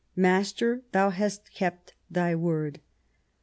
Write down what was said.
Master, thou hast kept thy word."